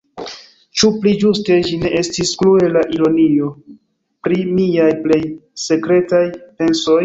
Ĉu pli ĝuste ĝi ne estis kruela ironio pri miaj plej sekretaj pensoj?